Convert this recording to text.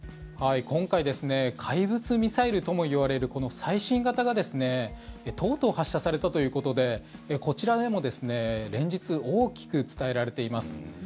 今回怪物ミサイルともいわれるこの最新型がとうとう発射されたということでこちらでも連日、大きく伝えられています。